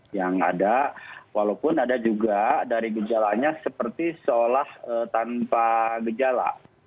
yang ada walaupun ada juga dari gejalanya seperti seolah tanpa gejala